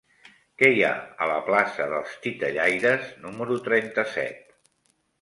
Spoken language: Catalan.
Què hi ha a la plaça dels Titellaires número trenta-set?